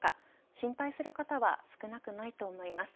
心配する方は少なくないと思います。